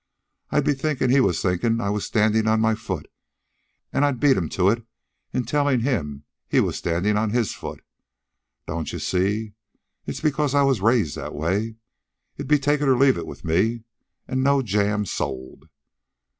I'd be thinkin' he was thinkin' I was standin' on my foot, an' I'd beat him to it in tellin' him he was standin' on HIS foot. Don't you see? It's because I was raised that way. It'd be take it or leave it with me, an' no jam sold."